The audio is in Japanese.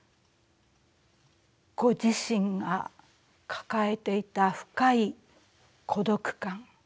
ご自身が抱えていた深い孤独感。